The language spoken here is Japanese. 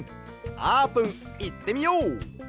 あーぷんいってみよう！